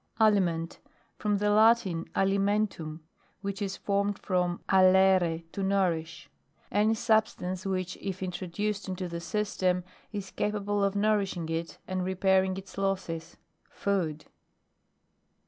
ALIMENT. From the Latin, alimen tam, which is formed from oitre, to nourish. Any substance, which, if introduced into the system, i capable of nourishing it and re pairing its losses. Food.